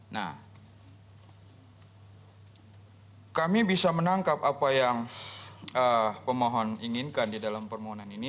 nah kami bisa menangkap apa yang pemohon inginkan di dalam permohonan ini